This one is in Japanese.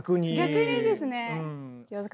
逆にですね。